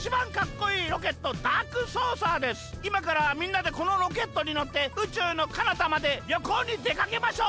いまからみんなでこのロケットにのってうちゅうのかなたまでりょこうにでかけましょう！